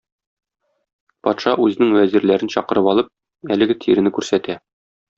Патша үзенең вәзирләрен чакырып алып, әлеге тирене күрсәтә.